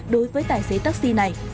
đối với tài xế taxi này